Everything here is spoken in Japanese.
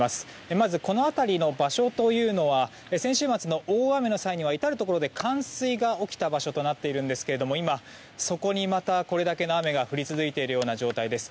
まず、この辺りの場所というのは先週末の大雨の際に至るところで冠水が起きた場所となっているんですが今、そこにまた、これだけの雨が降り続いているような状態です。